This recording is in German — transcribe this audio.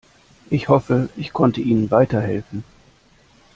Ich hoffe, ich konnte ihnen weiterhelfen.